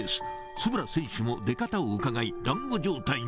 円選手も出方をうかがい、だんご状態に。